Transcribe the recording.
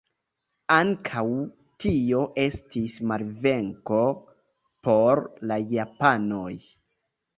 Ankaŭ tio estis malvenko por la japanoj.